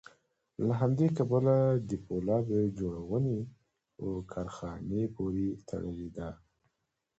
له همدې کبله د پولاد جوړونې په کارخانې پورې تړلې ده